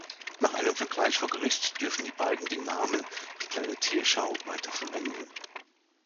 Nach einem Vergleich vor Gericht dürfen die beiden den Namen „Die kleine Tierschau“ weiterverwenden.